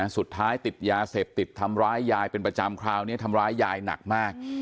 สุดท้ายติดยาเสพติดทำร้ายยายเป็นประจำคราวนี้ทำร้ายยายหนักมาก